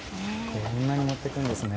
こんなに持っていくんですね。